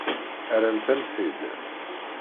Rrant-am-t-id.